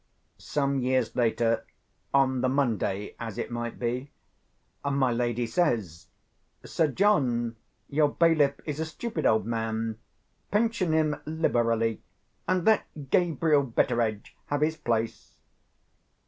Some years later, on the Monday as it might be, my lady says, "Sir John, your bailiff is a stupid old man. Pension him liberally, and let Gabriel Betteredge have his place."